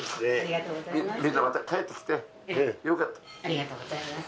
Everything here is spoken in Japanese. ありがとうございます。